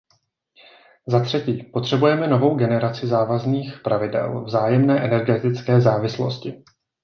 Za třetí, potřebujeme novou generaci závazných pravidel vzájemné energetické závislosti.